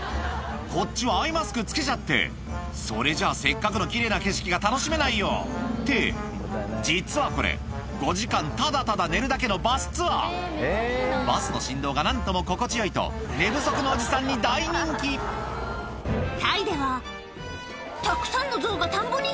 こっちはアイマスク着けちゃってそれじゃあせっかくの奇麗な景色が楽しめないよって実はこれ５時間ただただ寝るだけのバスツアーバスの振動が何とも心地よいと寝不足のおじさんに大人気タイではたくさんのゾウが田んぼに！